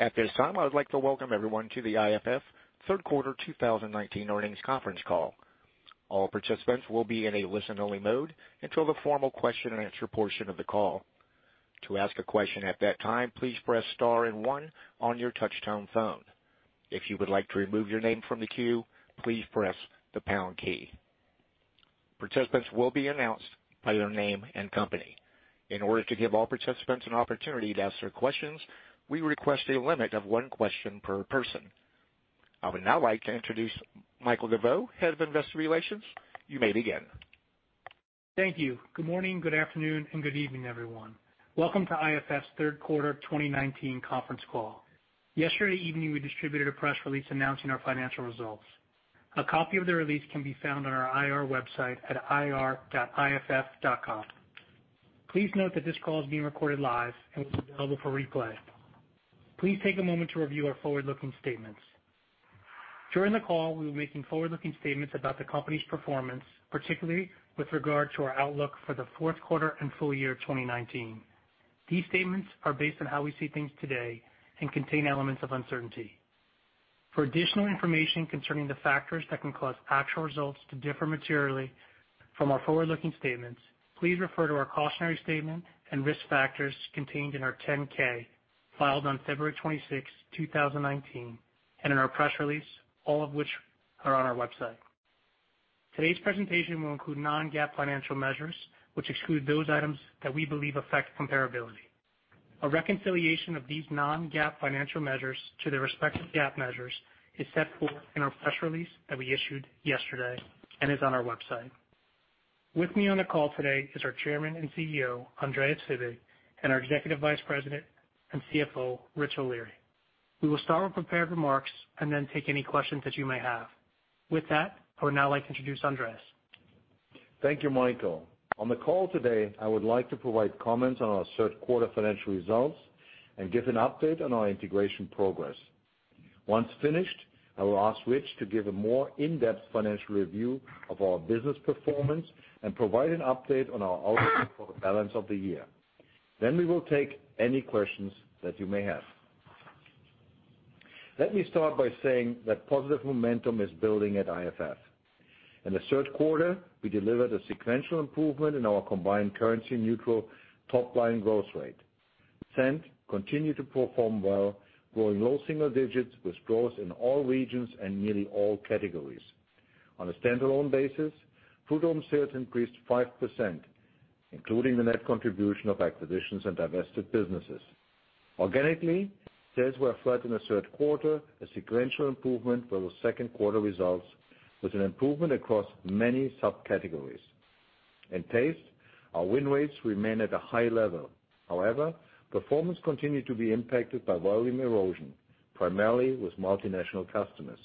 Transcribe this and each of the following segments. At this time, I would like to welcome everyone to the IFF third quarter 2019 earnings conference call. All participants will be in a listen-only mode until the formal question and answer portion of the call. To ask a question at that time, please press star and one on your touch-tone phone. If you would like to remove your name from the queue, please press the pound key. Participants will be announced by their name and company. In order to give all participants an opportunity to ask their questions, we request a limit of one question per person. I would now like to introduce Michael DeVeau, Head of Investor Relations. You may begin. Thank you. Good morning, good afternoon, and good evening, everyone. Welcome to IFF's third quarter 2019 conference call. Yesterday evening, we distributed a press release announcing our financial results. A copy of the release can be found on our IR website at ir.iff.com. Please note that this call is being recorded live and will be available for replay. Please take a moment to review our forward-looking statements. During the call, we'll be making forward-looking statements about the company's performance, particularly with regard to our outlook for the fourth quarter and full year 2019. These statements are based on how we see things today and contain elements of uncertainty. For additional information concerning the factors that can cause actual results to differ materially from our forward-looking statements, please refer to our cautionary statement and risk factors contained in our 10-K filed on February 26, 2019, and in our press release, all of which are on our website. Today's presentation will include non-GAAP financial measures, which exclude those items that we believe affect comparability. A reconciliation of these non-GAAP financial measures to their respective GAAP measures is set forth in our press release that we issued yesterday and is on our website. With me on the call today is our Chairman and CEO, Andreas Fibig, and our Executive Vice President and CFO, Richard O'Leary. We will start with prepared remarks and then take any questions that you may have. With that, I would now like to introduce Andreas. Thank you, Michael. On the call today, I would like to provide comments on our third quarter financial results and give an update on our integration progress. Once finished, I will ask Rich to give a more in-depth financial review of our business performance and provide an update on our outlook for the balance of the year. Then we will take any questions that you may have. Let me start by saying that positive momentum is building at IFF. In the third quarter, we delivered a sequential improvement in our combined currency-neutral top-line growth rate. Scent continued to perform well, growing low single digits with growth in all regions and nearly all categories. On a standalone basis, Frutarom sales increased 5%, including the net contribution of acquisitions and divested businesses. Organically, sales were flat in the third quarter, a sequential improvement over second quarter results, with an improvement across many sub-categories. In Taste, our win rates remain at a high level. However, performance continued to be impacted by volume erosion, primarily with multinational customers.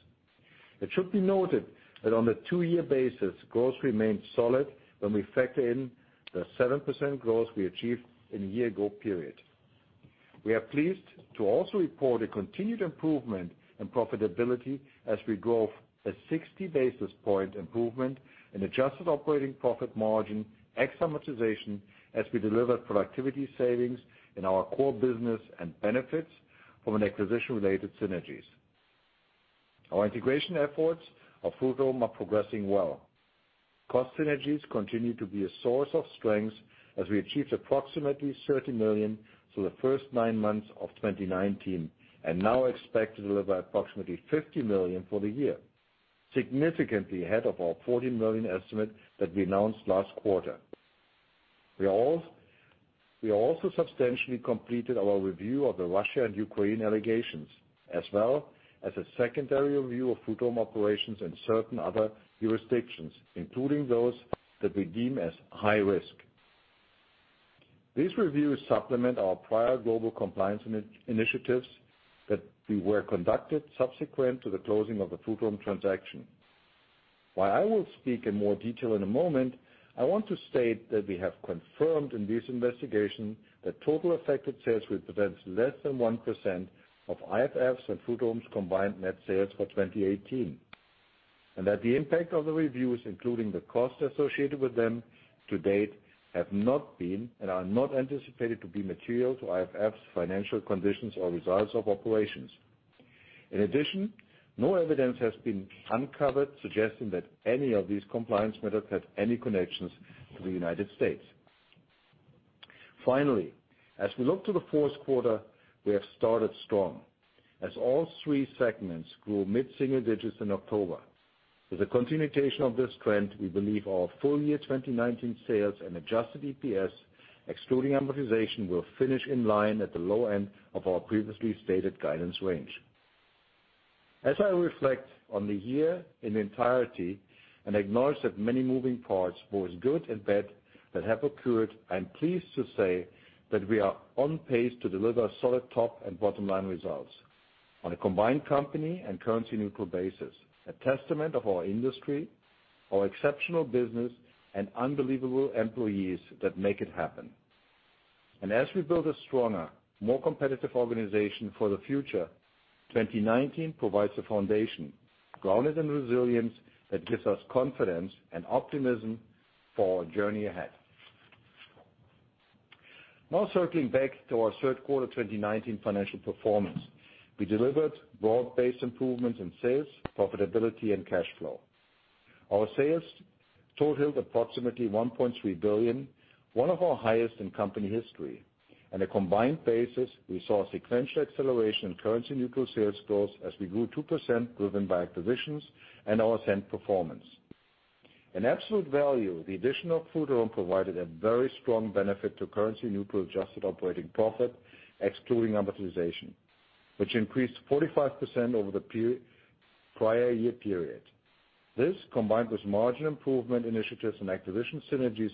It should be noted that on a two-year basis, growth remained solid when we factor in the 7% growth we achieved in the year ago period. We are pleased to also report a continued improvement in profitability as we grew a 60 basis point improvement in adjusted operating profit margin ex amortization, as we delivered productivity savings in our core business and benefits from acquisition-related synergies. Our integration efforts of Frutarom are progressing well. Cost synergies continue to be a source of strength as we achieved approximately $30 million through the first nine months of 2019 and now expect to deliver approximately $50 million for the year, significantly ahead of our $40 million estimate that we announced last quarter. We also substantially completed our review of the Russia and Ukraine allegations, as well as a secondary review of Frutarom operations in certain other jurisdictions, including those that we deem as high risk. These reviews supplement our prior global compliance initiatives that were conducted subsequent to the closing of the Frutarom transaction. While I will speak in more detail in a moment, I want to state that we have confirmed in this investigation that total affected sales represent less than 1% of IFF's and Frutarom's combined net sales for 2018, and that the impact of the reviews, including the costs associated with them to date, have not been and are not anticipated to be material to IFF's financial conditions or results of operations. In addition, no evidence has been uncovered suggesting that any of these compliance matters have any connections to the United States. Finally, as we look to the fourth quarter, we have started strong, as all three segments grew mid-single digits in October. With the continuation of this trend, we believe our full-year 2019 sales and adjusted EPS, excluding amortization, will finish in line at the low end of our previously stated guidance range. As I reflect on the year in entirety and acknowledge that many moving parts, both good and bad, that have occurred, I'm pleased to say that we are on pace to deliver solid top and bottom-line results on a combined company and currency-neutral basis, a testament of our industry, our exceptional business, and unbelievable employees that make it happen. As we build a stronger, more competitive organization for the future, 2019 provides the foundation grounded in resilience that gives us confidence and optimism for our journey ahead. Circling back to our third quarter 2019 financial performance. We delivered broad-based improvements in sales, profitability and cash flow. Our sales totaled approximately $1.3 billion, one of our highest in company history. On a combined basis, we saw a sequential acceleration in currency-neutral sales growth as we grew 2% driven by acquisitions and our scent performance. In absolute value, the additional Flavors & Fragrances provided a very strong benefit to currency neutral adjusted operating profit, excluding amortization, which increased 45% over the prior year period. This, combined with margin improvement initiatives and acquisition synergies,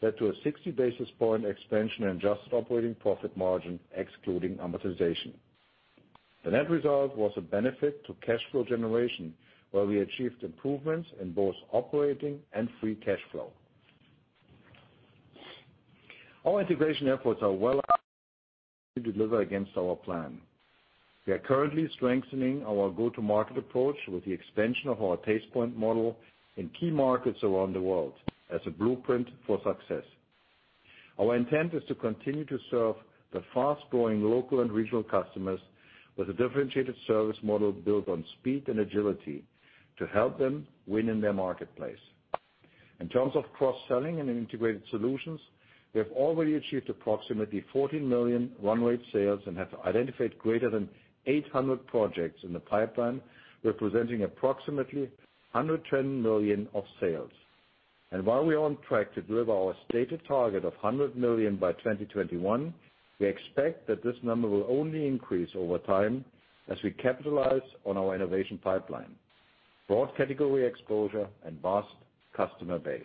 led to a 60 basis point expansion in adjusted operating profit margin excluding amortization. The net result was a benefit to cash flow generation, where we achieved improvements in both operating and free cash flow. Our integration efforts are well to deliver against our plan. We are currently strengthening our go-to-market approach with the expansion of our Tastepoint model in key markets around the world as a blueprint for success. Our intent is to continue to serve the fast-growing local and regional customers with a differentiated service model built on speed and agility to help them win in their marketplace. In terms of cross-selling and integrated solutions, we have already achieved approximately $14 million run rate sales and have identified greater than 800 projects in the pipeline, representing approximately $110 million of sales. While we are on track to deliver our stated target of $100 million by 2021, we expect that this number will only increase over time as we capitalize on our innovation pipeline, broad category exposure, and vast customer base.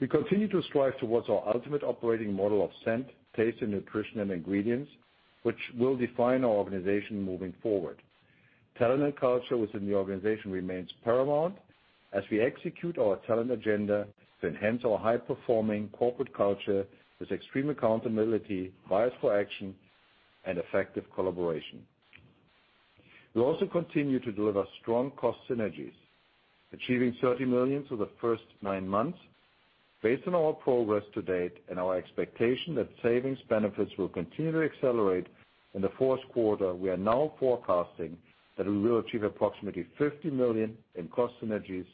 We continue to strive towards our ultimate operating model of scent, taste and nutrition and ingredients, which will define our organization moving forward. Talent and culture within the organization remains paramount as we execute our talent agenda to enhance our high-performing corporate culture with extreme accountability, bias for action, and effective collaboration. We also continue to deliver strong cost synergies, achieving $30 million through the first nine months. Based on our progress to date and our expectation that savings benefits will continue to accelerate in the fourth quarter, we are now forecasting that we will achieve approximately $50 million in cost synergies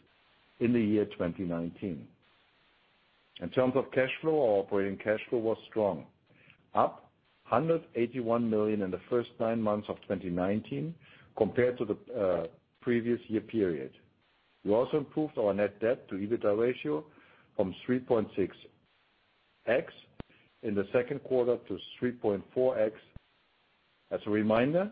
in the year 2019. In terms of cash flow, our operating cash flow was strong, up $181 million in the first nine months of 2019 compared to the previous year period. We also improved our net debt to EBITDA ratio from 3.6x in the second quarter to 3.4x. As a reminder,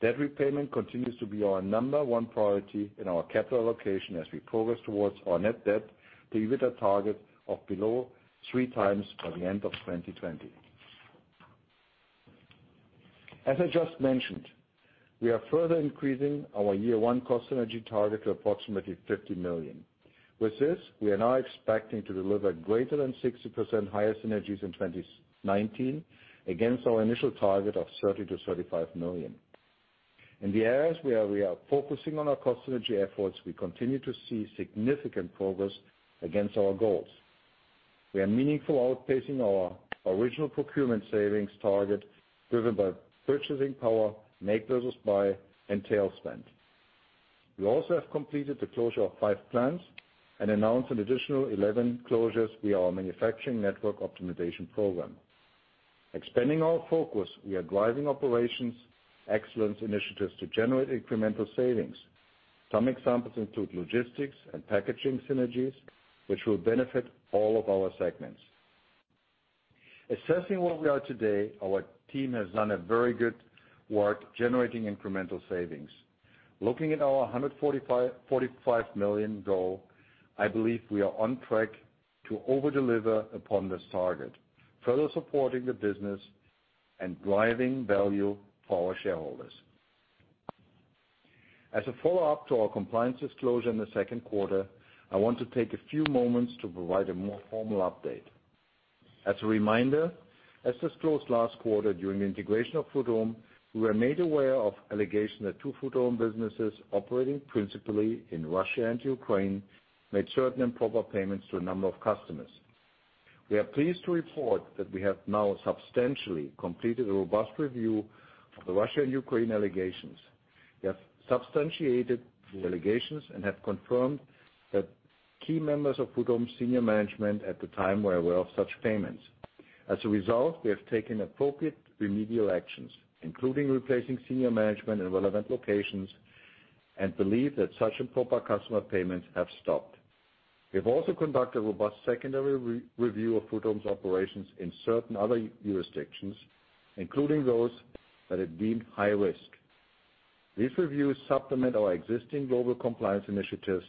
debt repayment continues to be our number one priority in our capital allocation as we progress towards our net debt to EBITDA target of below three times by the end of 2020. As I just mentioned, we are further increasing our year one cost synergy target to approximately $50 million. With this, we are now expecting to deliver greater than 60% higher synergies in 2019 against our initial target of $30 million-$35 million. In the areas where we are focusing on our cost synergy efforts, we continue to see significant progress against our goals. We are meaningfully outpacing our original procurement savings target, driven by purchasing power, make versus buy, and tail spend. We also have completed the closure of five plants and announced an additional 11 closures via our Manufacturing Network Optimization Program. Expanding our focus, we are driving operations excellence initiatives to generate incremental savings. Some examples include logistics and packaging synergies, which will benefit all of our segments. Assessing where we are today, our team has done very good work generating incremental savings. Looking at our $145 million goal, I believe we are on track to over-deliver upon this target, further supporting the business and driving value for our shareholders. As a follow-up to our compliance disclosure in the second quarter, I want to take a few moments to provide a more formal update. As a reminder, as disclosed last quarter during the integration of Frutarom, we were made aware of allegations that two Frutarom businesses operating principally in Russia and Ukraine made certain improper payments to a number of customers. We are pleased to report that we have now substantially completed a robust review of the Russia and Ukraine allegations. We have substantiated the allegations and have confirmed that key members of Frutarom senior management at the time were aware of such payments. As a result, we have taken appropriate remedial actions, including replacing senior management in relevant locations, and believe that such improper customer payments have stopped. We have also conducted a robust secondary review of Frutarom's operations in certain other jurisdictions, including those that are deemed high risk. These reviews supplement our existing global compliance initiatives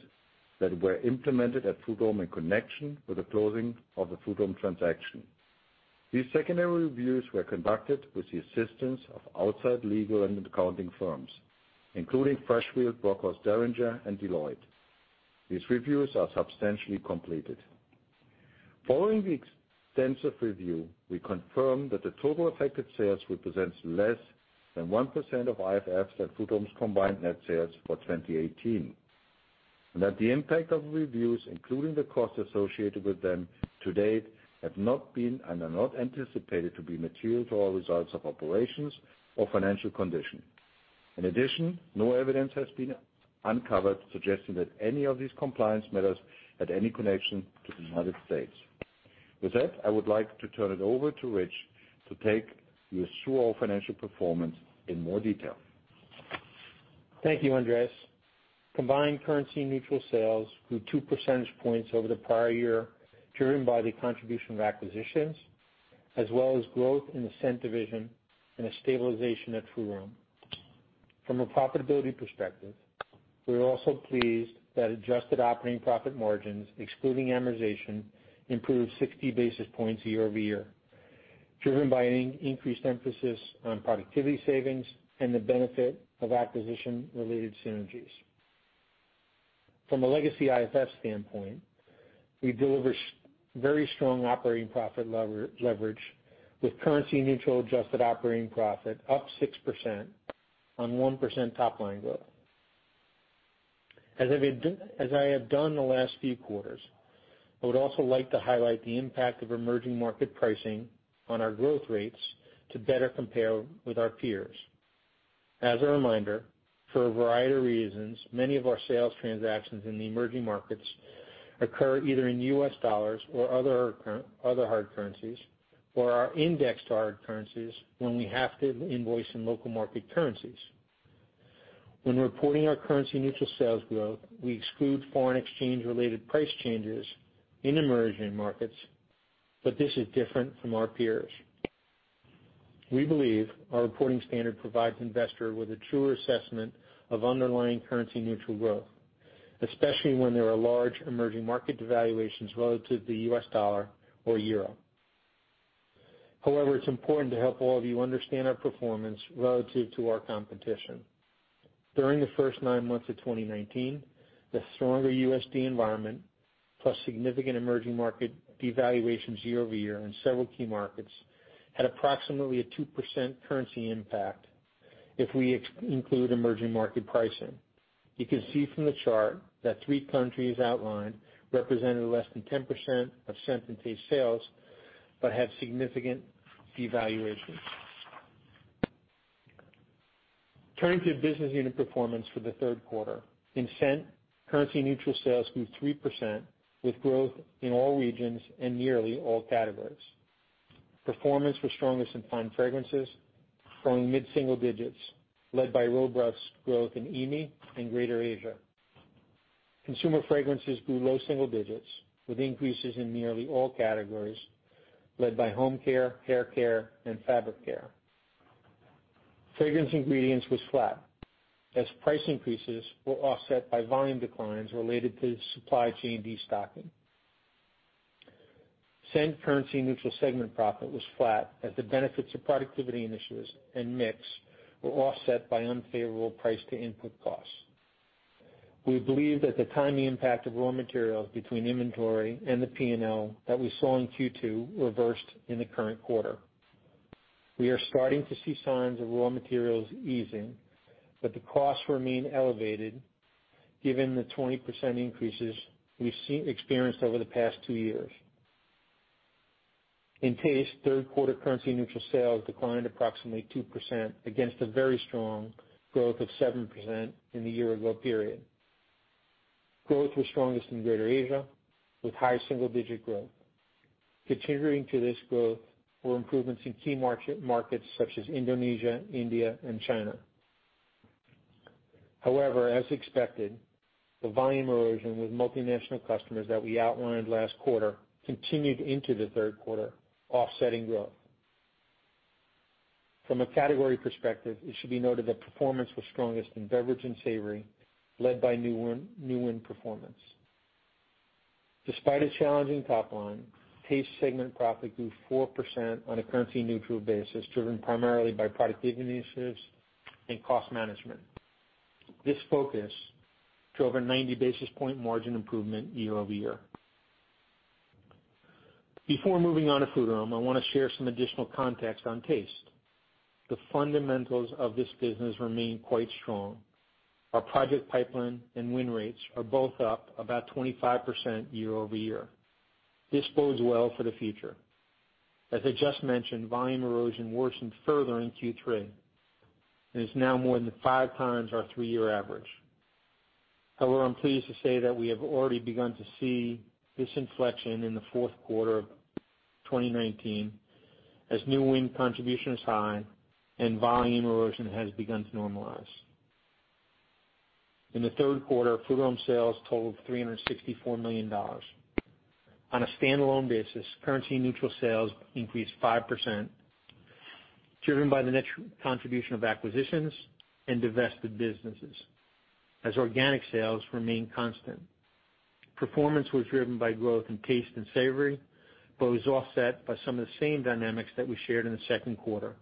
that were implemented at Frutarom in connection with the closing of the Frutarom transaction. These secondary reviews were conducted with the assistance of outside legal and accounting firms, including Freshfields Bruckhaus Deringer and Deloitte. These reviews are substantially completed. Following the extensive review, we confirm that the total affected sales represents less than 1% of IFF's and Frutarom's combined net sales for 2018, and that the impact of reviews, including the costs associated with them to date, have not been and are not anticipated to be material to our results of operations or financial condition. In addition, no evidence has been uncovered suggesting that any of these compliance matters had any connection to the United States. With that, I would like to turn it over to Rich to take you through our financial performance in more detail. Thank you, Andreas. Combined currency-neutral sales grew two percentage points over the prior year, driven by the contribution of acquisitions as well as growth in the scent division and a stabilization at FoodHome. From a profitability perspective, we are also pleased that adjusted operating profit margins, excluding amortization, improved 60 basis points year-over-year, driven by an increased emphasis on productivity savings and the benefit of acquisition-related synergies. From a legacy IFF standpoint, we deliver very strong operating profit leverage with currency-neutral adjusted operating profit up 6% on 1% top-line growth. As I have done the last few quarters, I would also like to highlight the impact of emerging market pricing on our growth rates to better compare with our peers. As a reminder, for a variety of reasons, many of our sales transactions in the emerging markets occur either in U.S. dollars or other hard currencies or are indexed to hard currencies when we have to invoice in local market currencies. When reporting our currency-neutral sales growth, we exclude foreign exchange-related price changes in emerging markets, but this is different from our peers. We believe our reporting standard provides investors with a truer assessment of underlying currency-neutral growth, especially when there are large emerging market devaluations relative to the U.S. dollar or EUR. However, it's important to help all of you understand our performance relative to our competition. During the first nine months of 2019, the stronger USD environment, plus significant emerging market devaluations year-over-year in several key markets, had approximately a 2% currency impact if we include emerging market pricing. You can see from the chart that three countries outlined represented less than 10% of scent and taste sales but have significant devaluations. Turning to business unit performance for the third quarter. In scent, currency-neutral sales grew 3% with growth in all regions and nearly all categories. Performance was strongest in fine fragrances, growing mid-single digits led by robust growth in EAME and Greater Asia. Consumer fragrances grew low single digits with increases in nearly all categories led by home care, hair care, and fabric care. Fragrance ingredients was flat as price increases were offset by volume declines related to supply chain destocking. Scent currency-neutral segment profit was flat as the benefits of productivity initiatives and mix were offset by unfavorable price to input costs. We believe that the timing impact of raw materials between inventory and the P&L that we saw in Q2 reversed in the current quarter. We are starting to see signs of raw materials easing, the costs remain elevated given the 20% increases we've experienced over the past two years. In Taste, third quarter currency-neutral sales declined approximately 2% against a very strong growth of 7% in the year-ago period. Growth was strongest in Greater Asia, with high single-digit growth. Contributing to this growth were improvements in key markets such as Indonesia, India, and China. As expected, the volume erosion with multinational customers that we outlined last quarter continued into the third quarter, offsetting growth. From a category perspective, it should be noted that performance was strongest in beverage and savory, led by new win performance. Despite a challenging top line, Taste segment profit grew 4% on a currency-neutral basis, driven primarily by productivity initiatives and cost management. This focus drove a 90-basis point margin improvement year-over-year. Before moving on to FoodHome, I want to share some additional context on taste. The fundamentals of this business remain quite strong. Our project pipeline and win rates are both up about 25% year-over-year. This bodes well for the future. As I just mentioned, volume erosion worsened further in Q3, and is now more than five times our three-year average. I'm pleased to say that we have already begun to see this inflection in the fourth quarter of 2019 as new win contribution is high and volume erosion has begun to normalize. In the third quarter, Frutarom sales totaled $364 million. On a standalone basis, currency-neutral sales increased 5%, driven by the net contribution of acquisitions and divested businesses as organic sales remain constant. Performance was driven by growth in taste and savory, but was offset by some of the same dynamics that we shared in the second quarter.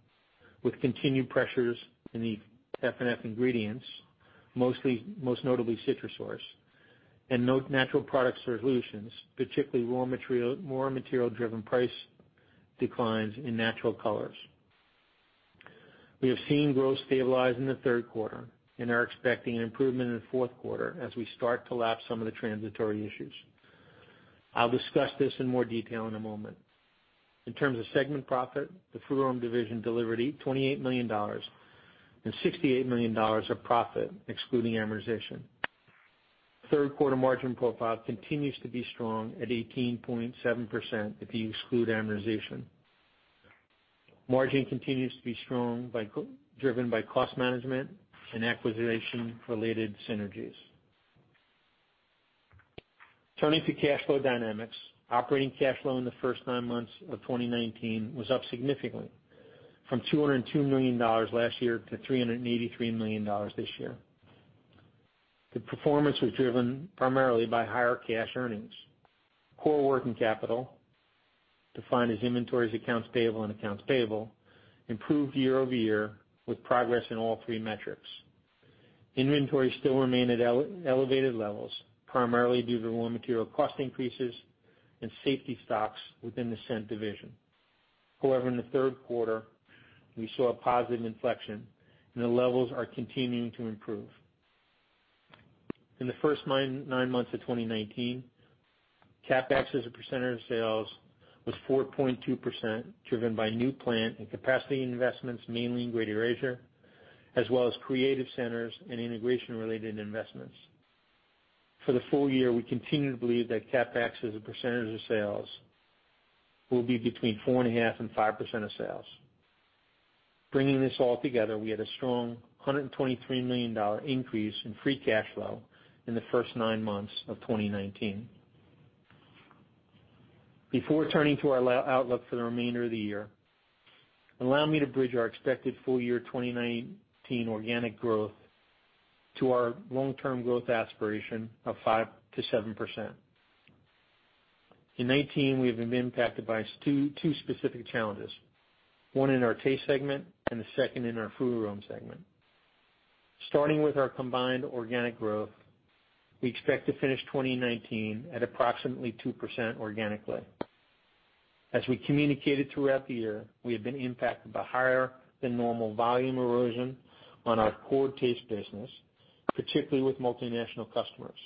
With continued pressures in the F&F ingredients, most notably CitraSource and Natural Products Solutions, particularly raw material-driven price declines in natural colors. We have seen growth stabilize in the third quarter and are expecting an improvement in the fourth quarter as we start to lap some of the transitory issues. I'll discuss this in more detail in a moment. In terms of segment profit, the Frutarom division delivered $28 million and $68 million of profit excluding amortization. Third quarter margin profile continues to be strong at 18.7% if you exclude amortization. Margin continues to be strong, driven by cost management and acquisition-related synergies. Turning to cash flow dynamics, operating cash flow in the first nine months of 2019 was up significantly from $202 million last year to $383 million this year. The performance was driven primarily by higher cash earnings. Core working capital, defined as inventories, accounts payable, and accounts payable, improved year-over-year with progress in all three metrics. Inventories still remain at elevated levels, primarily due to raw material cost increases and safety stocks within the scent division. However, in the third quarter, we saw a positive inflection and the levels are continuing to improve. In the first nine months of 2019, CapEx as a percentage of sales was 4.2%, driven by new plant and capacity investments mainly in Greater Asia, as well as creative centers and integration-related investments. For the full year, we continue to believe that CapEx as a percentage of sales will be between 4.5% and 5% of sales. Bringing this all together, we had a strong $123 million increase in free cash flow in the first nine months of 2019. Before turning to our outlook for the remainder of the year, allow me to bridge our expected full year 2019 organic growth to our long-term growth aspiration of 5% to 7%. In 2019, we have been impacted by two specific challenges, one in our Taste segment and the second in our Frutarom segment. Starting with our combined organic growth, we expect to finish 2019 at approximately 2% organically. As we communicated throughout the year, we have been impacted by higher than normal volume erosion on our core Taste business, particularly with multinational customers.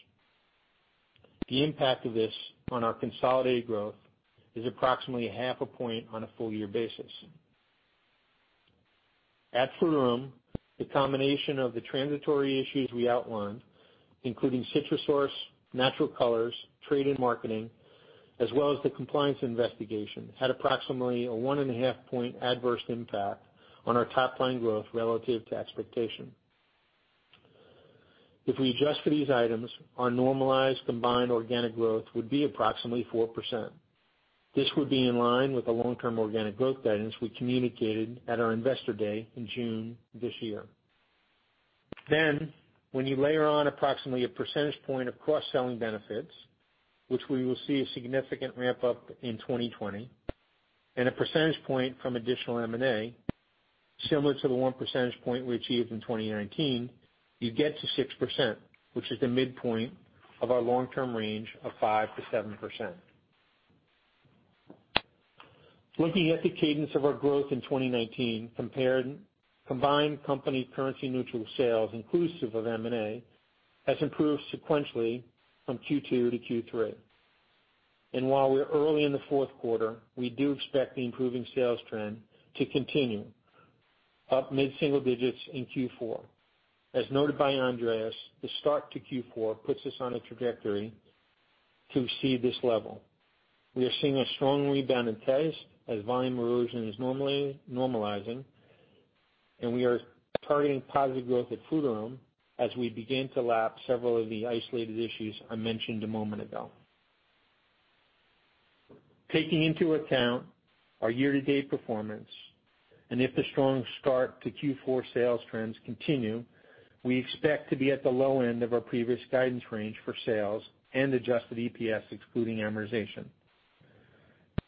The impact of this on our consolidated growth is approximately half a point on a full year basis. At Frutarom, the combination of the transitory issues we outlined, including CitraSource, natural colors, trade and marketing, as well as the compliance investigation, had approximately a one and a half point adverse impact on our top line growth relative to expectation. If we adjust for these items, our normalized combined organic growth would be approximately 4%. This would be in line with the long-term organic growth guidance we communicated at our Investor Day in June this year. When you layer on approximately a percentage point of cross-selling benefits, which we will see a significant ramp-up in 2020, and a percentage point from additional M&A, similar to the one percentage point we achieved in 2019, you get to 6%, which is the midpoint of our long-term range of 5%-7%. Looking at the cadence of our growth in 2019, combined company currency-neutral sales inclusive of M&A, has improved sequentially from Q2 to Q3. While we're early in the fourth quarter, we do expect the improving sales trend to continue up mid-single digits in Q4. As noted by Andreas, the start to Q4 puts us on a trajectory to exceed this level. We are seeing a strong rebound in Taste as volume erosion is normalizing, and we are targeting positive growth at FoodArome as we begin to lap several of the isolated issues I mentioned a moment ago. Taking into account our year-to-date performance, and if the strong start to Q4 sales trends continue, we expect to be at the low end of our previous guidance range for sales and adjusted EPS, excluding amortization.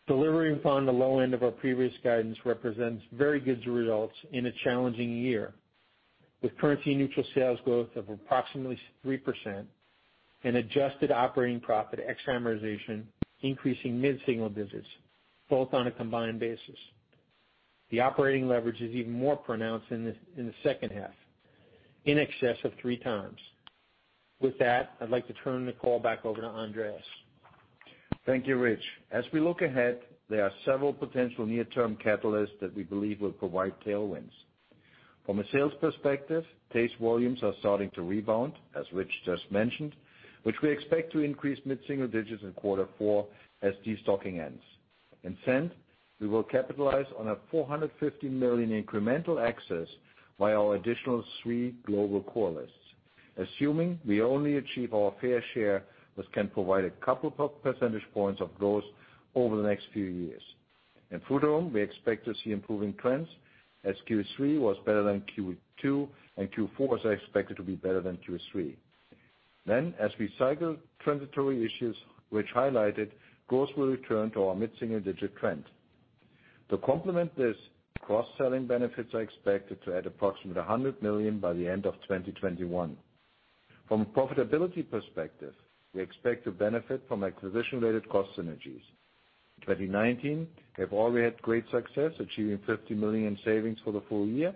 Delivering upon the low end of our previous guidance represents very good results in a challenging year, with currency-neutral sales growth of approximately 3% and adjusted operating profit ex amortization increasing mid-single digits, both on a combined basis. The operating leverage is even more pronounced in the second half, in excess of three times. With that, I'd like to turn the call back over to Andreas. Thank you, Rich. As we look ahead, there are several potential near-term catalysts that we believe will provide tailwinds. From a sales perspective, Taste volumes are starting to rebound, as Rich just mentioned, which we expect to increase mid-single digits in quarter four as de-stocking ends. In scent, we will capitalize on a $450 million incremental access by our additional three global core lists. Assuming we only achieve our fair share, this can provide a couple of percentage points of growth over the next few years. In Frutarom, we expect to see improving trends as Q3 was better than Q2, and Q4 is expected to be better than Q3. As we cycle transitory issues which highlighted, growth will return to our mid-single digit trend. To complement this, cross-selling benefits are expected to add approximately $100 million by the end of 2021. From a profitability perspective, we expect to benefit from acquisition-related cost synergies. In 2019, we have already had great success achieving $50 million in savings for the full year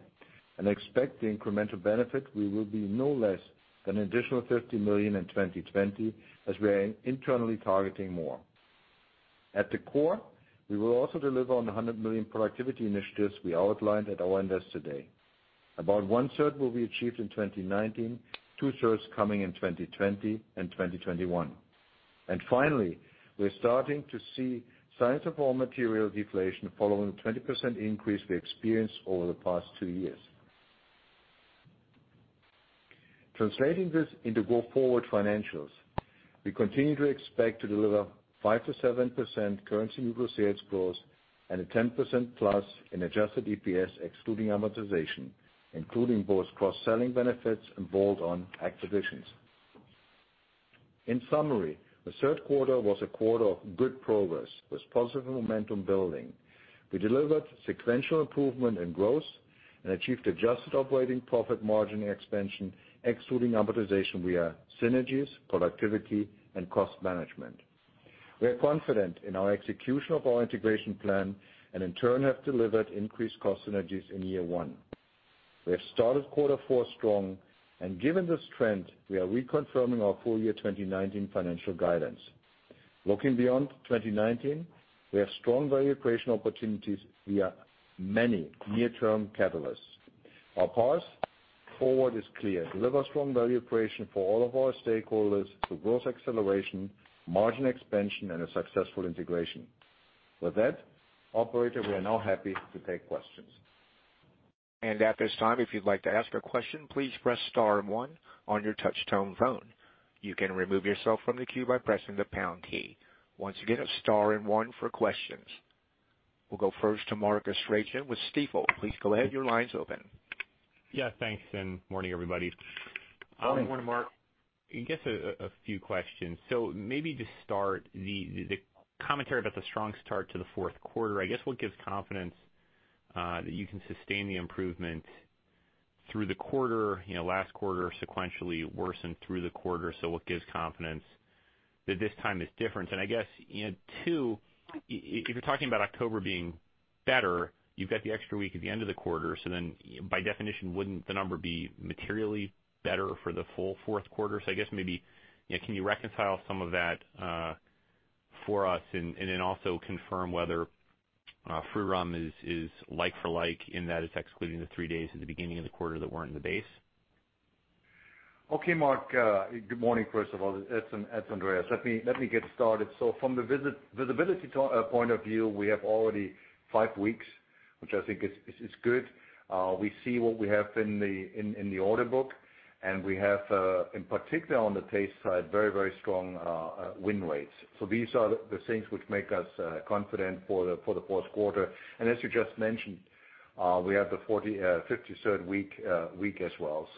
and expect the incremental benefit will be no less than an additional $50 million in 2020, as we are internally targeting more. At the core, we will also deliver on the $100 million productivity initiatives we outlined at our Investor Day. About one third will be achieved in 2019, two thirds coming in 2020 and 2021. Finally, we are starting to see signs of raw material deflation following the 20% increase we experienced over the past two years. Translating this into go-forward financials, we continue to expect to deliver 5%-7% currency neutral sales growth and a 10% plus in adjusted EPS excluding amortization, including both cross-selling benefits and bolt-on acquisitions. In summary, the third quarter was a quarter of good progress with positive momentum building. We delivered sequential improvement in growth and achieved adjusted operating profit margin expansion excluding amortization via synergies, productivity, and cost management. We are confident in our execution of our integration plan and in turn have delivered increased cost synergies in year one. We have started quarter four strong, and given this trend, we are reconfirming our full year 2019 financial guidance. Looking beyond 2019, we have strong value creation opportunities via many near-term catalysts. Our path forward is clear. Deliver strong value creation for all of our stakeholders through growth acceleration, margin expansion, and a successful integration. With that, operator, we are now happy to take questions. At this time, if you'd like to ask a question, please press star and one on your touch tone phone. You can remove yourself from the queue by pressing the pound key. Once again, star and one for questions. We'll go first to Mark Astrachan with Stifel. Please go ahead, your line's open. Yeah, thanks, and morning, everybody. Morning. Good morning, Mark. I guess a few questions. Maybe to start, the commentary about the strong start to the fourth quarter, I guess what gives confidence that you can sustain the improvement through the quarter, last quarter sequentially worsened through the quarter. What gives confidence that this time is different? And I guess, two, if you're talking about October being better, you've got the extra week at the end of the quarter, then by definition, wouldn't the number be materially better for the full fourth quarter? I guess maybe can you reconcile some of that for us and then also confirm whether [full run] is like for like in that it's excluding the three days at the beginning of the quarter that weren't in the base? Okay, Mark. Good morning, first of all. It's Andreas. Let me get started. From the visibility point of view, we have already five weeks, which I think is good. We see what we have in the order book, and we have, in particular on the Taste side, very strong win rates. These are the things which make us confident for the fourth quarter. As you just mentioned, we have the 53rd week as well.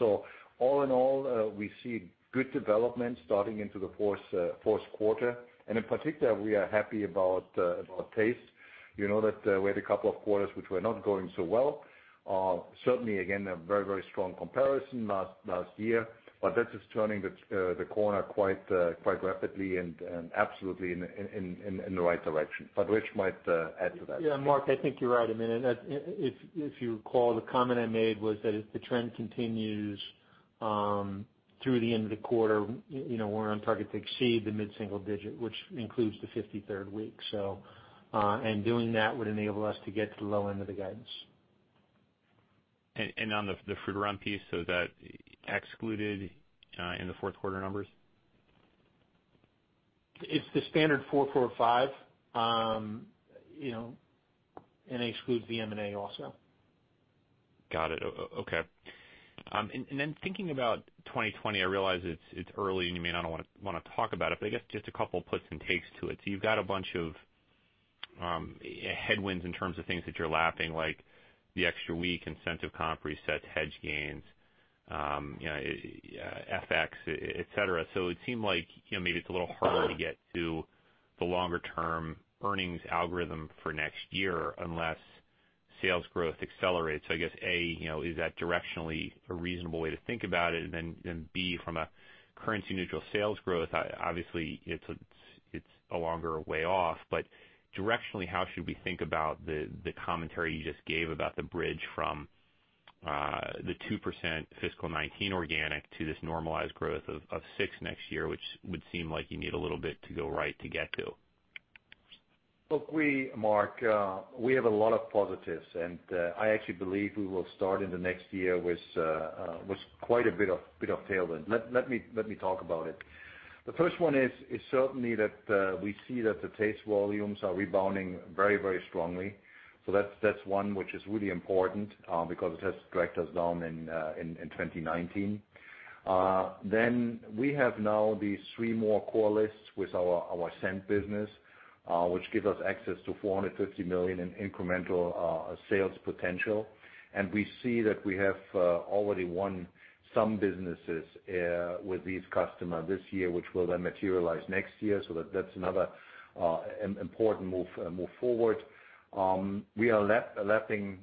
All in all, we see good development starting into the fourth quarter. In particular, we are happy about Taste. You know that we had a couple of quarters which were not going so well. Certainly, again, a very strong comparison last year, but that is turning the corner quite rapidly and absolutely in the right direction. Rich might add to that. Yeah, Mark, I think you're right. If you recall, the comment I made was that if the trend continues through the end of the quarter, we're on target to exceed the mid-single digit, which includes the 53rd week. Doing that would enable us to get to the low end of the guidance. On the free run piece, so that excluded in the fourth quarter numbers? It's the standard four or five, and excludes the M&A also. Got it. Okay. Thinking about 2020, I realize it's early and you may not want to talk about it, but I guess just a couple puts and takes to it. You've got a bunch of headwinds in terms of things that you're lapping, like the extra week, incentive comp resets, hedge gains, FX, et cetera. It seemed like maybe it's a little harder to get to the longer-term earnings algorithm for next year unless sales growth accelerates. I guess, A, is that directionally a reasonable way to think about it? B, from a currency neutral sales growth, obviously it's a longer way off, but directionally, how should we think about the commentary you just gave about the bridge from the 2% fiscal 2019 organic to this normalized growth of six next year, which would seem like you need a little bit to go right to get to? Look, Mark, we have a lot of positives. I actually believe we will start in the next year with quite a bit of tailwind. Let me talk about it. The first one is certainly that we see that the taste volumes are rebounding very strongly. That's one which is really important because it has dragged us down in 2019. We have now these three more core lists with our scent business, which give us access to $450 million in incremental sales potential. We see that we have already won some businesses with these customers this year, which will then materialize next year. That's another important move forward. We are lapping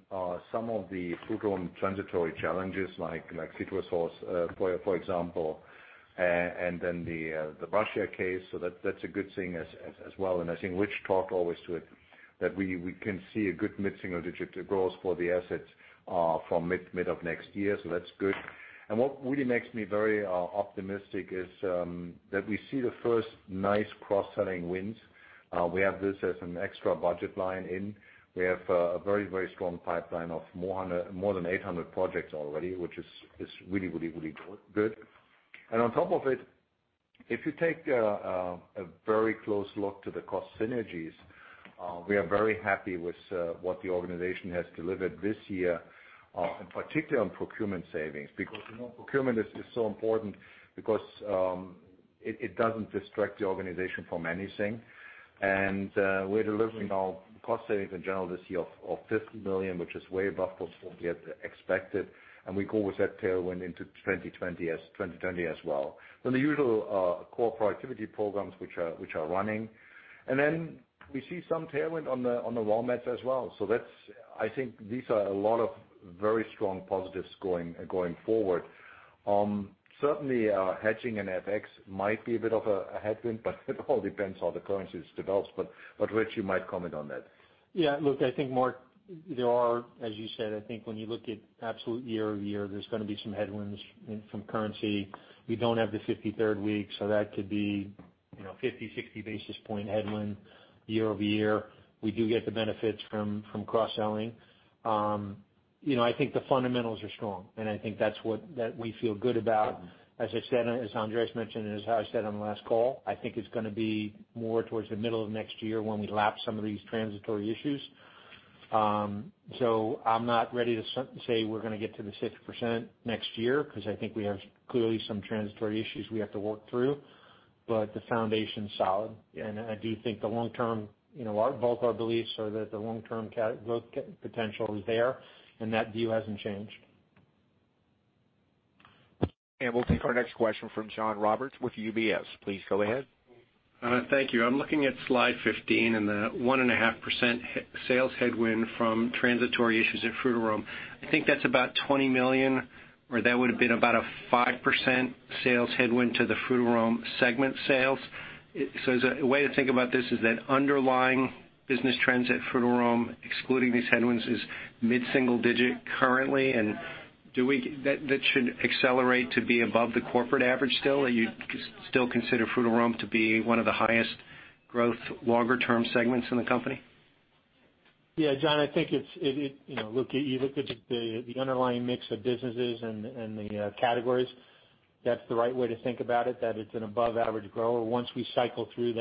some of the Frutarom transitory challenges like CitraSource, for example, and then the Russia case. That's a good thing as well. I think Rich talked always to it, that we can see a good mid-single-digit growth for the assets from mid of next year. That's good. What really makes me very optimistic is that we see the first nice cross-selling wins. We have this as an extra budget line in. We have a very strong pipeline of more than 800 projects already, which is really good. On top of it, if you take a very close look to the cost synergies, we are very happy with what the organization has delivered this year, in particular on procurement savings. Because procurement is so important because it doesn't distract the organization from anything. We're delivering our cost savings in general this year of $50 million, which is way above what we had expected, and we go with that tailwind into 2020 as well. The usual core productivity programs which are running. We see some tailwind on the raw mats as well. I think these are a lot of very strong positives going forward. Certainly, hedging and FX might be a bit of a headwind, but it all depends how the currencies develops. Rich, you might comment on that. Yeah, look, I think Mark, there are, as you said, I think when you look at absolute year-over-year, there's going to be some headwinds from currency. We don't have the 53rd week, so that could be 50, 60 basis point headwind year-over-year. We do get the benefits from cross-selling. I think the fundamentals are strong, and I think that's what we feel good about. As I said, as Andreas mentioned, and as how I said on the last call, I think it's going to be more towards the middle of next year when we lap some of these transitory issues. I'm not ready to say we're going to get to the 6% next year because I think we have clearly some transitory issues we have to work through. The foundation's solid, and I do think both our beliefs are that the long-term growth potential is there, and that view hasn't changed. We'll take our next question from John Roberts with UBS. Please go ahead. Thank you. I'm looking at slide 15 and the 1.5% sales headwind from transitory issues at Frutarom. I think that's about $20 million, or that would've been about a 5% sales headwind to the Frutarom segment sales. Is a way to think about this is that underlying business trends at Frutarom, excluding these headwinds, is mid-single digit currently? That should accelerate to be above the corporate average still? You still consider Frutarom to be one of the highest growth longer-term segments in the company? John, I think you look at the underlying mix of businesses and the categories. That's the right way to think about it, that it's an above-average grower. Once we cycle through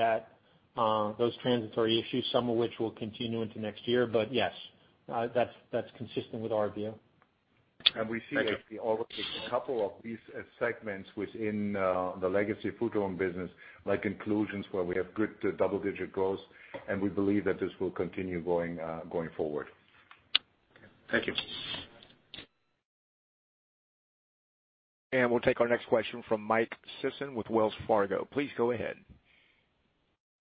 those transitory issues, some of which will continue into next year, but yes. That's consistent with our view. Thank you. We see actually already a couple of these segments within the legacy Foodarom business, like inclusions, where we have good double-digit growth, and we believe that this will continue going forward. Okay. Thank you. We'll take our next question from Michael Sison with Wells Fargo. Please go ahead.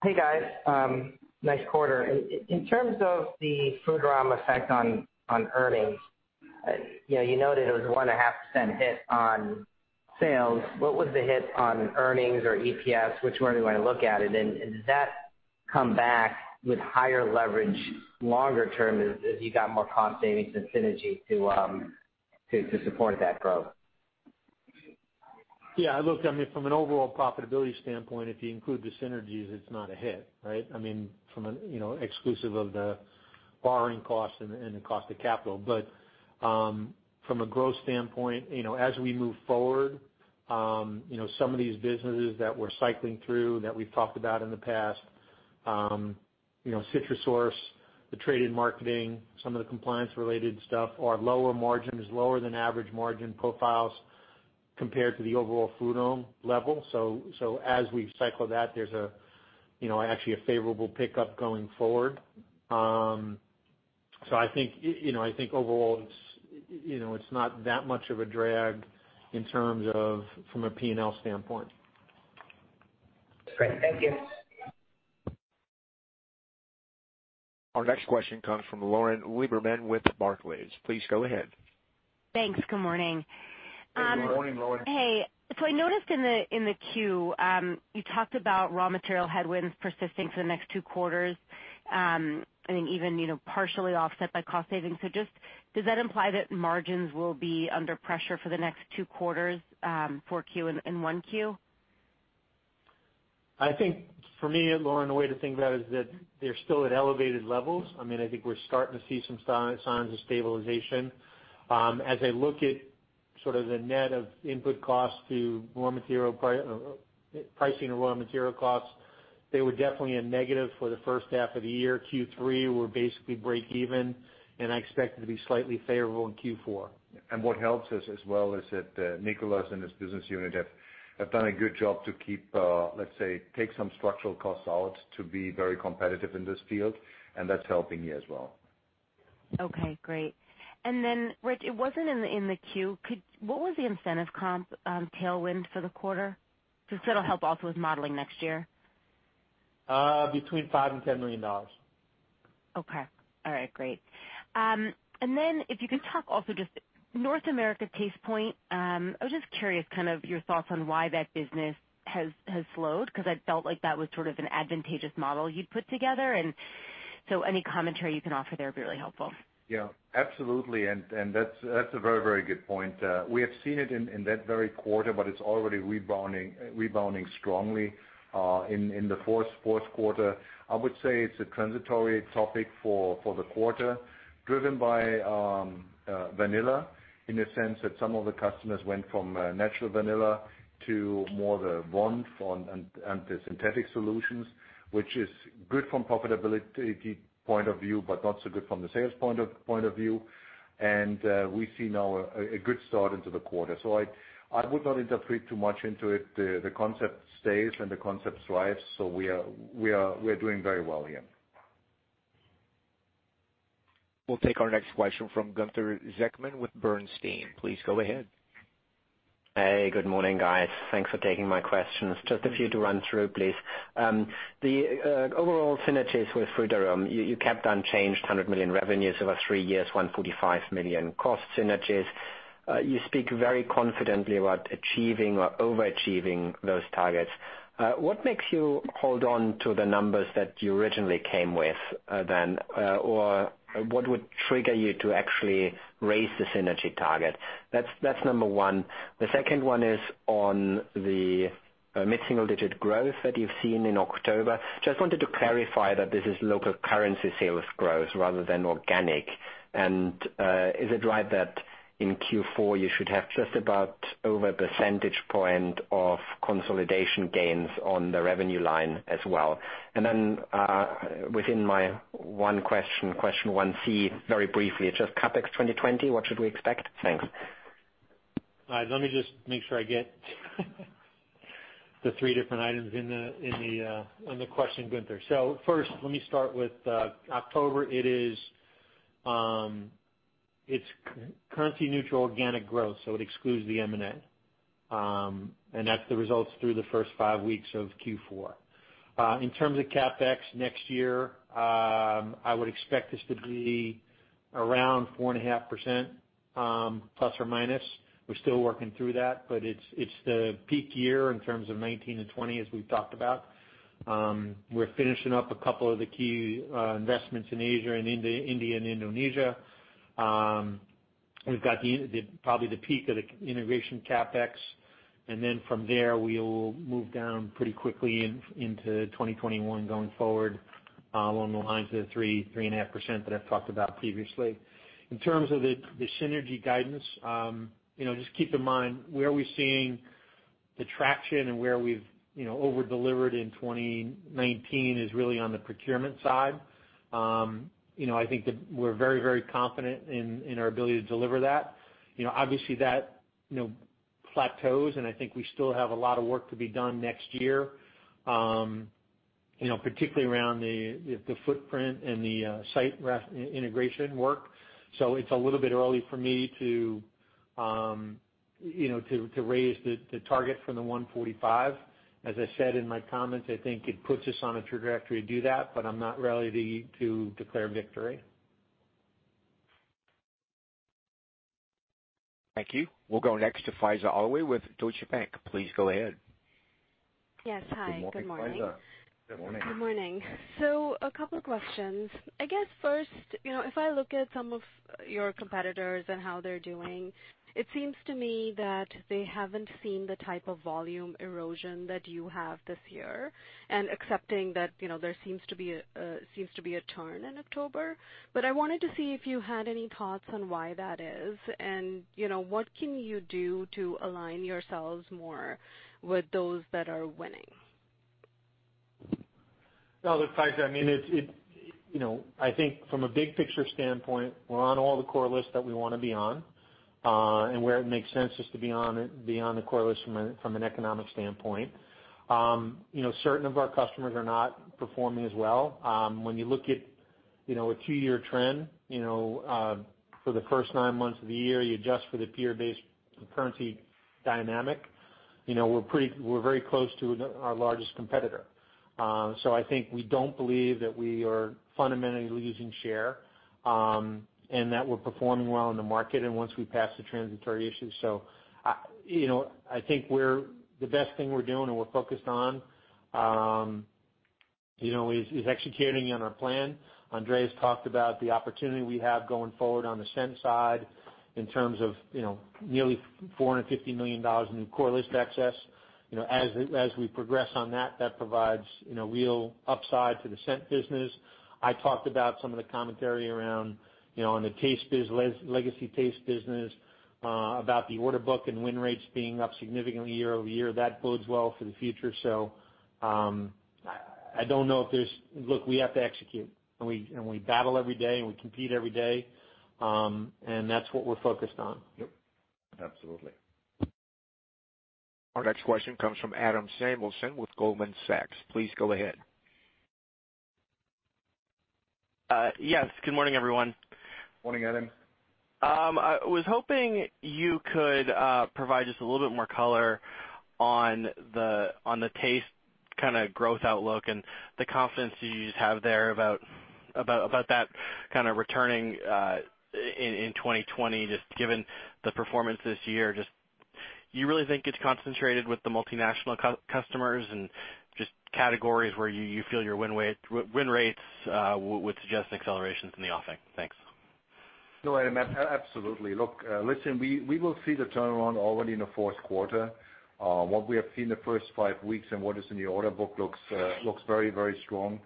Hey, guys. Nice quarter. In terms of the Frutarom effect on earnings, you noted it was 1.5% hit on sales. What was the hit on earnings or EPS, whichever way you want to look at it? Did that come back with higher leverage longer term as you got more cost savings and synergy to support that growth? Yeah, look, from an overall profitability standpoint, if you include the synergies, it's not a hit, right? From an exclusive of the borrowing cost and the cost of capital. From a growth standpoint, as we move forward, some of these businesses that we're cycling through that we've talked about in the past, CitraSource, the trade-in marketing, some of the compliance-related stuff are lower margins, lower than average margin profiles compared to the overall Frutarom level. As we cycle that, there's actually a favorable pickup going forward. I think overall it's not that much of a drag in terms of from a P&L standpoint. Great. Thank you. Our next question comes from Lauren Lieberman with Barclays. Please go ahead. Thanks. Good morning. Good morning, Lauren. Hey. I noticed in the queue, you talked about raw material headwinds persisting for the next two quarters, I think even partially offset by cost savings. Does that imply that margins will be under pressure for the next two quarters, 4Q and 1Q? I think for me, Lauren, the way to think about it is that they're still at elevated levels. I think we're starting to see some signs of stabilization. As I look at sort of the net of input costs to pricing of raw material costs. They were definitely a negative for the first half of the year. Q3 were basically break even, I expect it to be slightly favorable in Q4. What helps us as well is that Nicolas and his business unit have done a good job to, let's say, take some structural costs out to be very competitive in this field, and that's helping here as well. Okay, great. Rich, it wasn't in the queue. What was the incentive comp tailwind for the quarter? Just that will help also with modeling next year. Between $5 and $10 million. Okay. All right, great. If you can talk also just North America Tastepoint. I was just curious, your thoughts on why that business has slowed, because I felt like that was sort of an advantageous model you'd put together. Any commentary you can offer there would be really helpful. Absolutely. That's a very good point. We have seen it in that very quarter, but it's already rebounding strongly in the fourth quarter. I would say it's a transitory topic for the quarter, driven by vanilla in the sense that some of the customers went from natural vanilla to more the WONF form and the synthetic solutions, which is good from profitability point of view but not so good from the sales point of view. We see now a good start into the quarter. I would not interpret too much into it. The concept stays and the concept thrives. We are doing very well here. We'll take our next question from Gunther Zechmann with Bernstein. Please go ahead. Hey, good morning, guys. Thanks for taking my questions. Just a few to run through, please. The overall synergies with Frutarom, you kept unchanged $100 million revenues over three years, $145 million cost synergies. You speak very confidently about achieving or overachieving those targets. What makes you hold on to the numbers that you originally came with, then? What would trigger you to actually raise the synergy target? That's number one. The second one is on the mid-single digit growth that you've seen in October. Just wanted to clarify that this is local currency sales growth rather than organic. Is it right that in Q4 you should have just about over a percentage point of consolidation gains on the revenue line as well? Within my one question 1C, very briefly, just CapEx 2020. What should we expect? Thanks. All right. Let me just make sure I get the three different items on the question, Gunther. First, let me start with October. It is currency neutral organic growth, so it excludes the M&A. That's the results through the first five weeks of Q4. In terms of CapEx, next year, I would expect this to be around 4.5%, plus or minus. We're still working through that, but it's the peak year in terms of 2019 and 2020 as we've talked about. We're finishing up a couple of the key investments in Asia and India, and Indonesia. We've got probably the peak of the integration CapEx. From there, we will move down pretty quickly into 2021, going forward along the lines of the 3%-3.5% that I've talked about previously. In terms of the synergy guidance, just keep in mind where we're seeing the traction and where we've over-delivered in 2019 is really on the procurement side. I think that we're very confident in our ability to deliver that. Obviously, that plateaus, and I think we still have a lot of work to be done next year, particularly around the footprint and the site integration work. It's a little bit early for me to raise the target from the 145. As I said in my comments, I think it puts us on a true trajectory to do that, but I'm not ready to declare victory. Thank you. We'll go next to Faiza Alwy, with Deutsche Bank. Please go ahead. Yes, hi. Good morning, Fawaz. Good morning. Good morning. A couple of questions. I guess first, if I look at some of your competitors and how they're doing, it seems to me that they haven't seen the type of volume erosion that you have this year, and accepting that there seems to be a turn in October. I wanted to see if you had any thoughts on why that is, and what can you do to align yourselves more with those that are winning? No, Fawaz, I think from a big picture standpoint, we're on all the core lists that we want to be on, and where it makes sense just to be on the core lists from an economic standpoint. Certain of our customers are not performing as well. When you look at a 2-year trend, for the first nine months of the year, you adjust for the peer-based currency dynamic. We're very close to our largest competitor. I think we don't believe that we are fundamentally losing share, and that we're performing well in the market and once we pass the transitory issue. I think the best thing we're doing and we're focused on is executing on our plan. Andreas talked about the opportunity we have going forward on the scent side in terms of nearly $450 million in core list access. As we progress on that provides real upside to the scent business. I talked about some of the commentary around on the legacy taste business, about the order book and win rates being up significantly year-over-year. That bodes well for the future. I don't know. Look, we have to execute, and we battle every day, and we compete every day. That's what we're focused on. Yep. Absolutely. Our next question comes from Adam Samuelson with Goldman Sachs. Please go ahead. Yes. Good morning, everyone. Morning, Adam. I was hoping you could provide just a little bit more color on the taste growth outlook and the confidence you just have there about that returning in 2020, just given the performance this year. Do you really think it's concentrated with the multinational customers and just categories where you feel your win rates would suggest accelerations in the offing? Thanks. Adam Samuelson. We will see the turnaround already in the fourth quarter. What we have seen the first five weeks and what is in the order book looks very, very strong.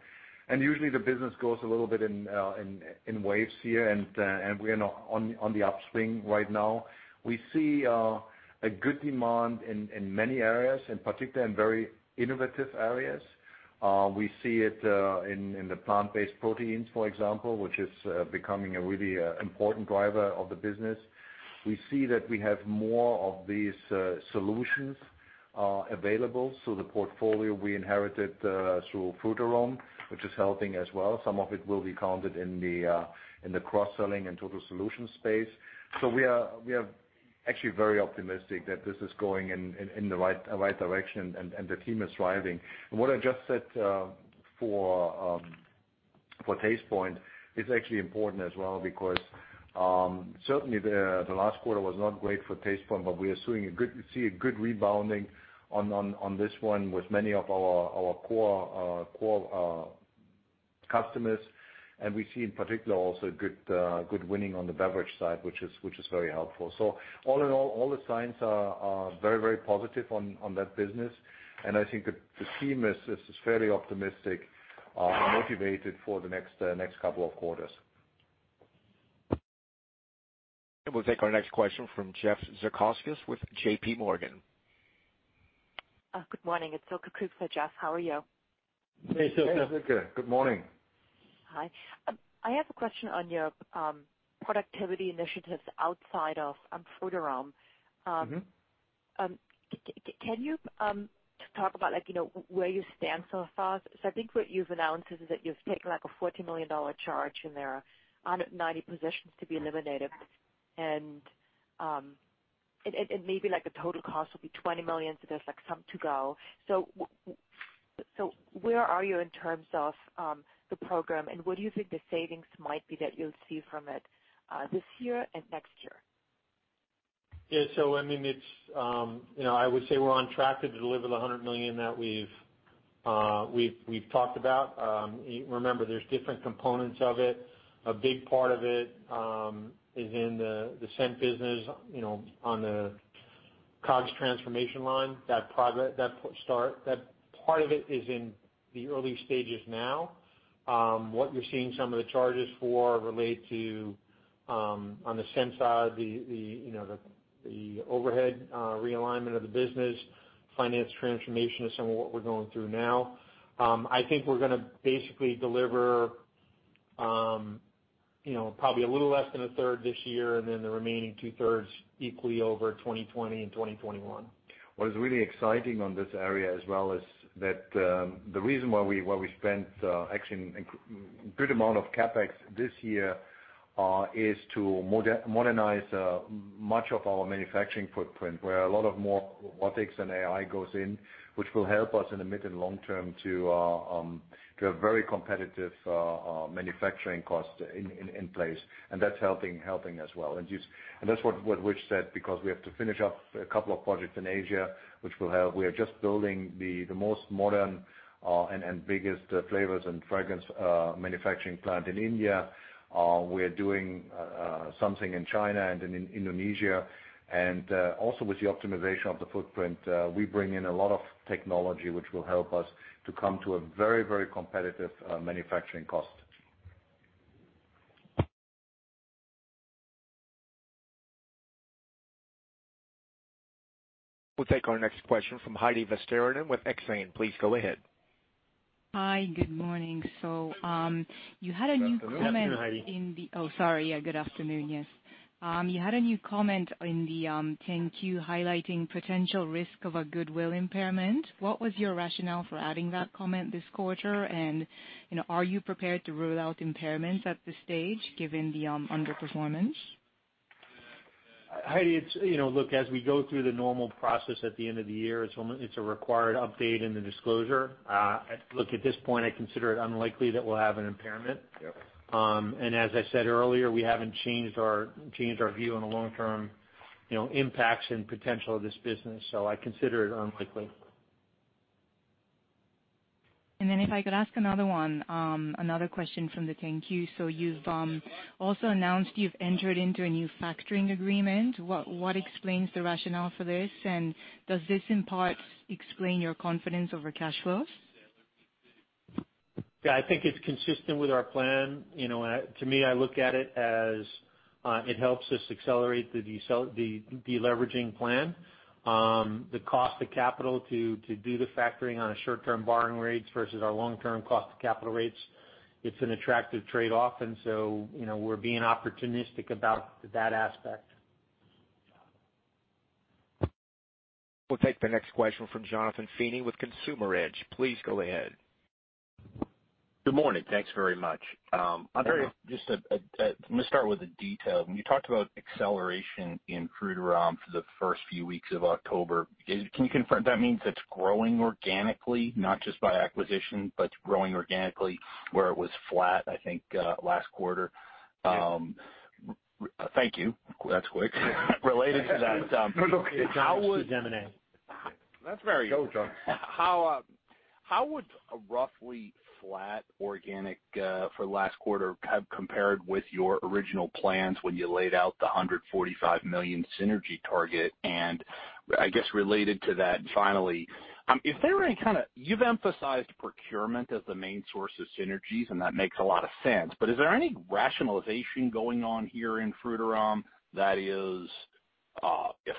Usually, the business goes a little bit in waves here, and we are now on the upswing right now. We see a good demand in many areas, in particular in very innovative areas. We see it in the plant-based proteins, for example, which is becoming a really important driver of the business. We see that we have more of these solutions available. The portfolio we inherited through Frutarom, which is helping as well, some of it will be counted in the cross-selling and total solution space. We are actually very optimistic that this is going in the right direction, and the team is thriving. What I just said for Tastepoint is actually important as well because certainly, the last quarter was not great for Tastepoint, but we see a good rebounding on this one with many of our core customers. We see, in particular, also good winning on the beverage side, which is very helpful. All in all the signs are very, very positive on that business. I think the team is fairly optimistic and motivated for the next couple of quarters. We'll take our next question from Jeff Zekauskas with JPMorgan. Good morning. Silke KueckSilke Kueck for Jeff. How are you? Hey, Silke. Hey, Silke. Good morning. Hi. I have a question on your productivity initiatives outside of Frutarom. Can you talk about where you stand so far? I think what you've announced is that you've taken a $40 million charge, and there are 90 positions to be eliminated. Maybe the total cost will be $20 million, so there's some to go. Where are you in terms of the program, and what do you think the savings might be that you'll see from it this year and next year? Yeah. I would say we're on track to deliver the $100 million that we've talked about. Remember, there's different components of it. A big part of it is in the scent business, on the COGS transformation line. That part of it is in the early stages now. What you're seeing some of the charges for relate to, on the scent side, the overhead realignment of the business, finance transformation is some of what we're going through now. I think we're going to basically deliver probably a little less than a third this year, and then the remaining two-thirds equally over 2020 and 2021. What is really exciting on this area as well is that the reason why we spent actually a good amount of CapEx this year is to modernize much of our manufacturing footprint, where a lot of more robotics and AI goes in, which will help us in the mid and long term to have very competitive manufacturing costs in place. That's helping as well. That's what Rich said, because we have to finish up a couple of projects in Asia, which we are just building the most modern and biggest Flavors & Fragrances manufacturing plant in India. We're doing something in China and in Indonesia. Also with the optimization of the footprint, we bring in a lot of technology which will help us to come to a very, very competitive manufacturing cost. We'll take our next question from Heidi Vesterinen with Exane. Please go ahead. Hi. Good morning. You had a new comment. Good afternoon, Heidi. Oh, sorry. Good afternoon. Yes. You had a new comment in the 10-Q highlighting potential risk of a goodwill impairment. What was your rationale for adding that comment this quarter? Are you prepared to rule out impairments at this stage, given the underperformance? Heidi, as we go through the normal process at the end of the year, it's a required update in the disclosure. Look, at this point, I consider it unlikely that we'll have an impairment. Yep. As I said earlier, we haven't changed our view on the long-term impacts and potential of this business. I consider it unlikely. If I could ask another one, another question from the 10-Q. You've also announced you've entered into a new factoring agreement. What explains the rationale for this, and does this in part explain your confidence over cash flows? Yeah, I think it's consistent with our plan. To me, I look at it as it helps us accelerate the deleveraging plan. The cost of capital to do the factoring on a short-term borrowing rates versus our long-term cost of capital rates, it's an attractive trade-off. We're being opportunistic about that aspect. We'll take the next question from Jonathan Feeney with Consumer Edge. Please go ahead. Good morning. Thanks very much. Good morning. Just let me start with the detail. When you talked about acceleration in Frutarom for the first few weeks of October, can you confirm that means it's growing organically, not just by acquisition, but it's growing organically where it was flat, I think, last quarter? Yes. Thank you. That's quick. No, look. How would? It's M&A. That's very good. Go, John. How would a roughly flat organic for last quarter have compared with your original plans when you laid out the $145 million synergy target? I guess related to that, finally, you've emphasized procurement as the main source of synergies, and that makes a lot of sense. Is there any rationalization going on here in Frutarom that is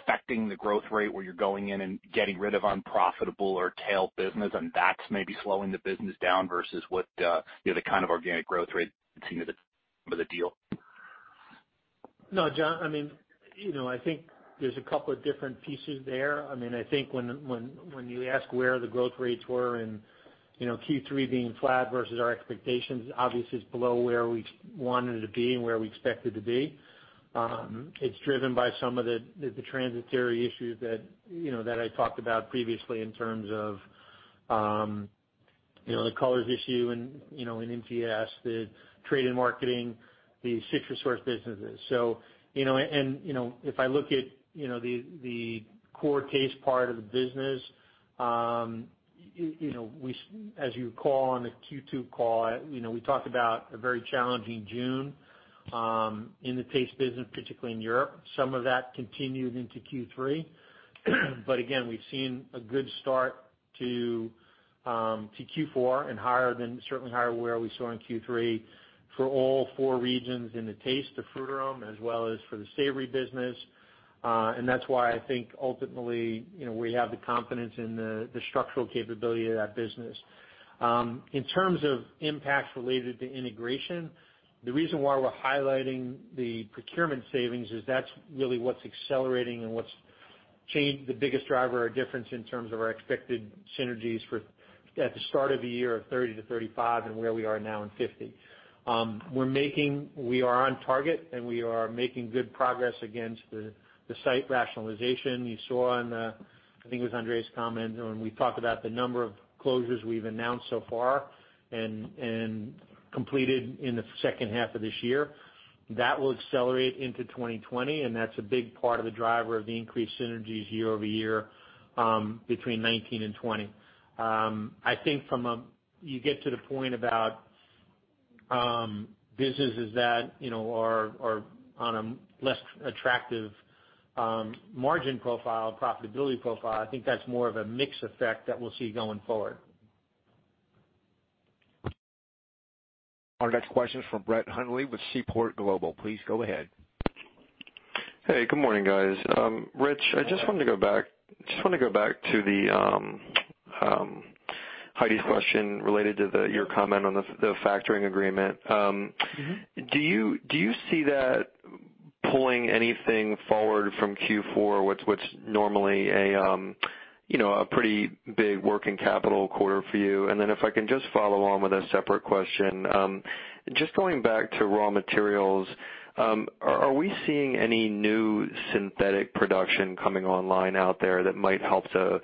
affecting the growth rate where you're going in and getting rid of unprofitable or tail business and that's maybe slowing the business down versus what the kind of organic growth rate you've seen with the deal? No, John, I think there's a couple of different pieces there. I think when you ask where the growth rates were in Q3 being flat versus our expectations, obviously, it's below where we wanted to be and where we expected to be. It's driven by some of the transitory issues that I talked about previously in terms of the colors issue in MGS, the trade and marketing, the CitraSource businesses. If I look at the core taste part of the business, as you call on the Q2 call, we talked about a very challenging June in the taste business, particularly in Europe. Some of that continued into Q3. Again, we've seen a good start to Q4 and certainly higher where we saw in Q3 for all four regions in the taste of Frutarom as well as for the savory business. That's why I think ultimately, we have the confidence in the structural capability of that business. In terms of impacts related to integration, the reason why we're highlighting the procurement savings is that's really what's accelerating and what's the biggest driver or difference in terms of our expected synergies at the start of the year of 30-35 and where we are now in 50. We are on target, and we are making good progress against the site rationalization. You saw on the, I think it was Andreas' comment when we talked about the number of closures we've announced so far and completed in the second half of this year. That will accelerate into 2020, and that's a big part of the driver of the increased synergies year-over-year between 2019 and 2020. I think you get to the point about businesses that are on a less attractive margin profile, profitability profile. I think that's more of a mix effect that we'll see going forward. Our next question is from Brett Hundley with Seaport Global. Please go ahead. Hey, good morning, guys. Rich, I just wanted to go back to Heidi's question related to your comment on the factoring agreement. Do you see that pulling anything forward from Q4, what's normally a pretty big working capital quarter for you? If I can just follow on with a separate question. Just going back to raw materials, are we seeing any new synthetic production coming online out there that might help to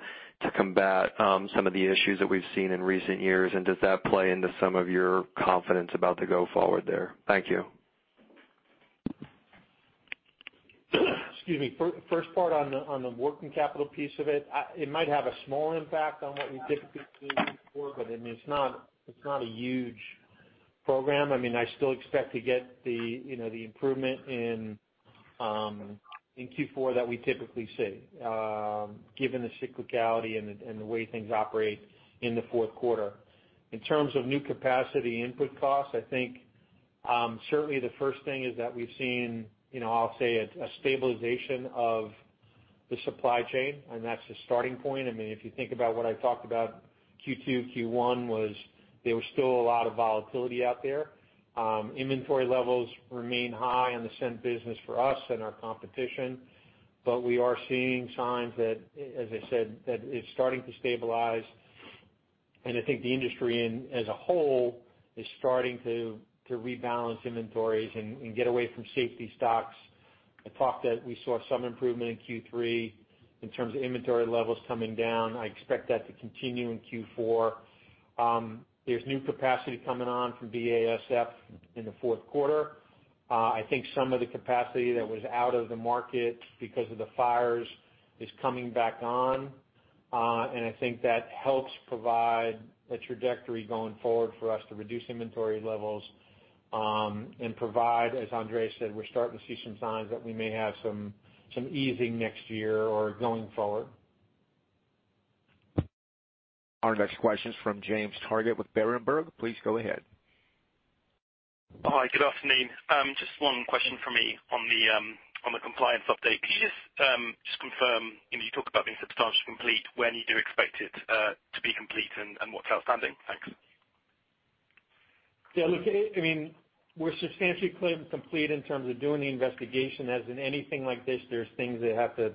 combat some of the issues that we've seen in recent years? Does that play into some of your confidence about the go forward there? Thank you. Excuse me. First part on the working capital piece of it. It might have a small impact on what we typically see before, but it's not a huge program. I still expect to get the improvement in Q4 that we typically see, given the cyclicality and the way things operate in the fourth quarter. In terms of new capacity input costs, I think, certainly the first thing is that we've seen, I'll say, a stabilization of the supply chain, and that's the starting point. If you think about what I talked about Q2, Q1, there was still a lot of volatility out there. Inventory levels remain high in the scent business for us and our competition. We are seeing signs that, as I said, that it's starting to stabilize. I think the industry as a whole is starting to rebalance inventories and get away from safety stocks. I thought that we saw some improvement in Q3 in terms of inventory levels coming down. I expect that to continue in Q4. There's new capacity coming on from BASF in the fourth quarter. I think some of the capacity that was out of the market because of the fires is coming back on. I think that helps provide a trajectory going forward for us to reduce inventory levels, and provide, as Andreas said, we're starting to see some signs that we may have some easing next year or going forward. Our next question is from James Targett with Berenberg. Please go ahead. Hi, good afternoon. Just one question from me on the compliance update. Can you just confirm, you talked about being substantially complete, when you do expect it to be complete and what's outstanding? Thanks. Yeah, look, we're substantially complete in terms of doing the investigation. As in anything like this, there's things that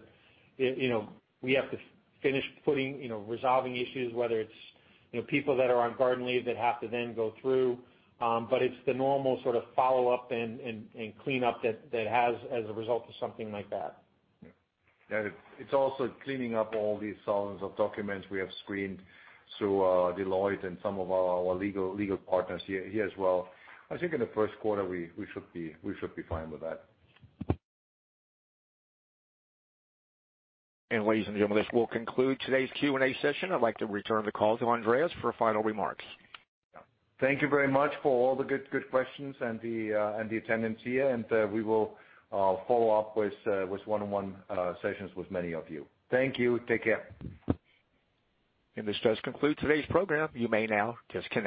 we have to finish putting, resolving issues, whether it's people that are on garden leave that have to then go through. It's the normal sort of follow-up and clean up that has as a result of something like that. Yeah. It's also cleaning up all these thousands of documents we have screened through Deloitte and some of our legal partners here as well. I think in the first quarter, we should be fine with that. Ladies and gentlemen, this will conclude today's Q&A session. I'd like to return the call to Andreas for final remarks. Thank you very much for all the good questions and the attendance here. We will follow up with one-on-one sessions with many of you. Thank you. Take care. This does conclude today's program. You may now disconnect.